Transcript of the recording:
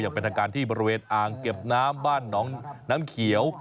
เป็นทางการที่บริเวณอ่างเก็บน้ำบ้านหนองน้ำเขียว